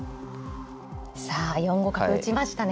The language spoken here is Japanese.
さあ４五角打ちましたね。